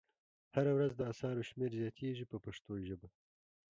هره ورځ د اثارو شمېره زیاتیږي په پښتو ژبه.